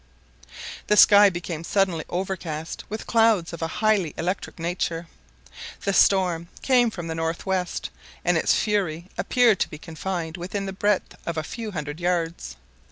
The sky became suddenly overcast with clouds of a highly electric nature. The storm came from the north west, and its fury appeared to be confined within the breadth of a few hundred yards.